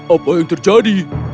apa yang terjadi